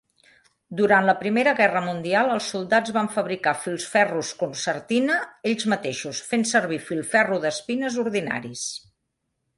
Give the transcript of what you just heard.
Durant la Primera Guerra Mundial els soldats van fabricar filferros concertina ells mateixos, fent servir filferro d'espines ordinaris.